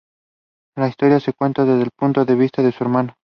La historia se cuenta desde el punto de vista de su hermano.